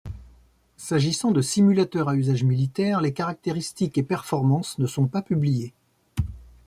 S'agissant de simulateurs à usage militaire, les caractéristiques et performances ne sont pas publiées.